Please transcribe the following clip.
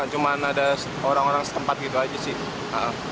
tau gak cuma ada orang orang sekempat gitu aja sih